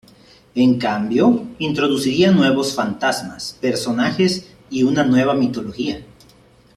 En cambio, introduciría nuevos fantasmas, personajes y una nueva mitología.